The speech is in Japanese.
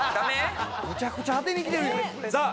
むちゃくちゃ当てにきてるやんさあ